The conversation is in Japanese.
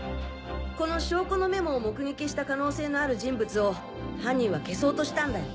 この証拠のメモを目撃した可能性のある人物を犯人は消そうとしたんだよ。